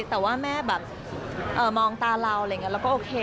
แต่ว่าแม่แบบมองตาเราอะไรอย่างนี้เราก็โอเค